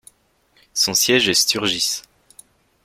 Son siège est Sturgis.